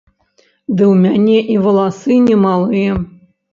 Ды ў мяне і валасы не малыя.